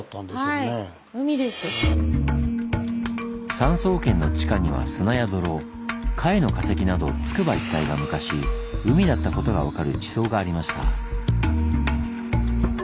産総研の地下には砂や泥貝の化石などつくば一帯が昔海だったことがわかる地層がありました。